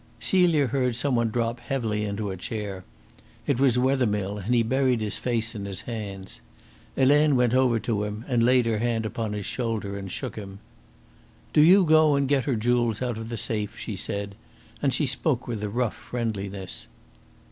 Celia heard some one drop heavily into a chair. It was Wethermill, and he buried his face in his hands. Helene went over to him and laid her hand upon his shoulder and shook him. "Do you go and get her jewels out of the safe," she said, and she spoke with a rough friendliness.